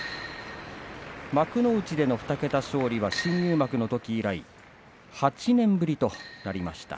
幕内での２桁勝利は新入幕のとき以来８年ぶりとなりました。